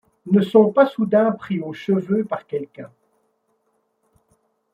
Ne sont pas soudain pris aux cheveux par quelqu'un